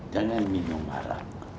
jangan minum haram